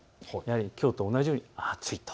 きょうと同じように暑いと。